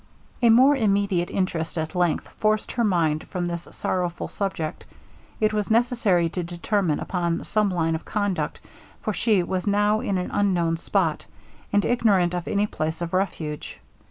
A more immediate interest at length forced her mind from this sorrowful subject. It was necessary to determine upon some line of conduct, for she was now in an unknown spot, and ignorant of any place of refuge.